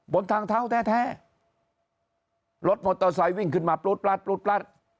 บนทางเท้าแท้รถมอเตอร์ไซค์วิ่งขึ้นมาปลูดปลัดปลูดปลัด